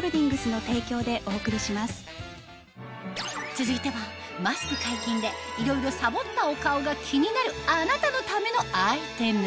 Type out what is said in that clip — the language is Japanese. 続いてはマスク解禁でいろいろサボったお顔が気になるあなたのためのアイテム